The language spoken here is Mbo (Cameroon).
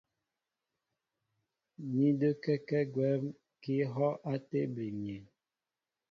Ní də́kɛ́kɛ́ gwɛ̌m kɛ́ ihɔ́' á tébili myéŋ.